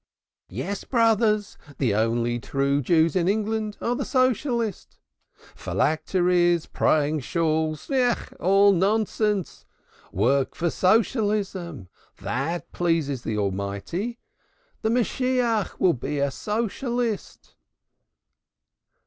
Yes, brothers, the only true Jews in England are the Socialists. Phylacteries, praying shawls all nonsense. Work for Socialism that pleases the Almighty. The Messiah will be a Socialist."